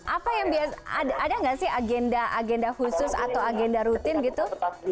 apa yang biasa ada nggak sih agenda agenda khusus atau agenda rutin gitu